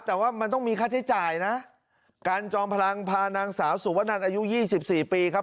แต่ว่ามันต้องมีค่าใช้จ่ายนะการจอมพลังพานางสาวสุวนันอายุยี่สิบสี่ปีครับ